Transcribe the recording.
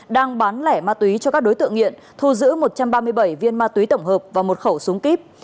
đang bán lẻ ma túy cho các đối tượng nghiện thu giữ một trăm ba mươi bảy viên ma túy tổng hợp và một khẩu súng kíp